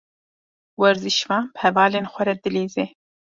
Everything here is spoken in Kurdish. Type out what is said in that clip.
Werzîşvan bi hevalên xwe re dilîze.